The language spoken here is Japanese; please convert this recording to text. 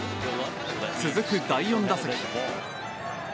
続く第４打席。